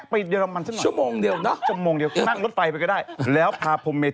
แล้วมันอยู่ลอนดอนมันก็ไม่อยู่แค่นั้น